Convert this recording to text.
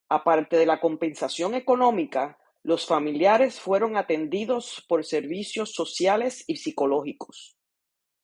Aparte de la compensación económica, los familiares fueron atendidos por servicios sociales y psicólogos.